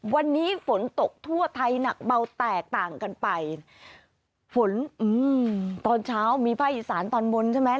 วันนี้ฝนตกทั่วไทยหนักเบาแตกต่างกันไปฝนอืมตอนเช้ามีภาคอีสานตอนบนใช่ไหม